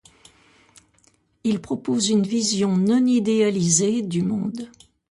Il propose une vision non idéalisée du monde.